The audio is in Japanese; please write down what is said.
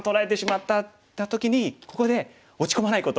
って時にここで落ち込まないこと。